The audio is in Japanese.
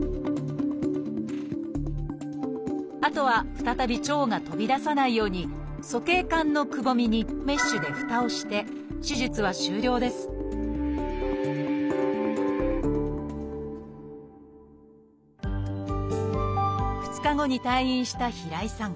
あとは再び腸が飛び出さないように鼠径管のくぼみにメッシュでふたをして手術は終了です２日後に退院した平井さん。